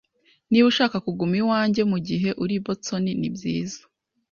Niba ushaka kuguma iwanjye mugihe uri i Boston, nibyiza.